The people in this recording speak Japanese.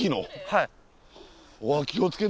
はい。